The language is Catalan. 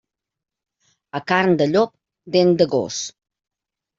A carn de llop, dent de gos.